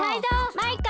マイカ！